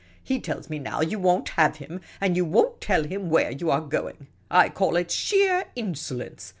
He tells me now you won't have him, and you won't tell him where 3'ou are going. I call it sheer insolence.